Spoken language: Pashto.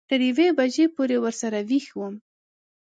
تر یوې بجې پورې ورسره وېښ وم.